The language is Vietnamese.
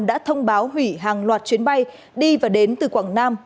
đã thông báo hủy hàng loạt chuyến bay đi và đến từ quảng nam